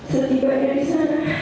setiap hari di sana